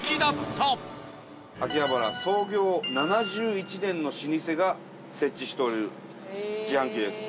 秋葉原創業７１年の老舗が設置している自販機です。